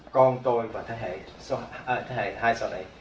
con tôi và thế hệ hai sao này